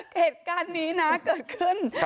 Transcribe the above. เหตุการณ์นี้นะเกิดขึ้น